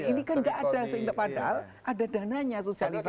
ini kan nggak ada seindah padahal ada dananya sosialisasinya